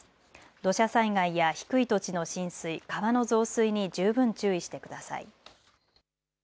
土砂災害や低い土地の浸水、川の増水に十分注意してください。